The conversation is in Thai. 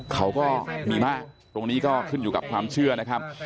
เขาก็มีมากตรงนี้ก็ขึ้นอยู่กับความเชื่อนะครับ